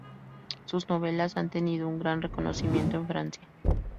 Sus novelas han tenido un gran reconocimiento en Francia.